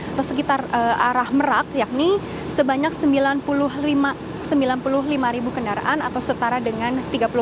atau sekitar arah merak yakni sebanyak sembilan puluh lima ribu kendaraan atau setara dengan tiga puluh delapan